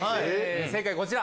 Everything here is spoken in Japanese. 正解こちら。